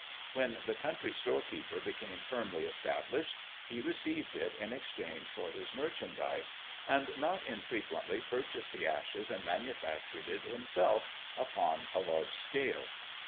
When the country store keeper became firmly established he received it in exchange for his merchandise, and not infrequently purchased the ashes and manufactured it himself upon a large scale.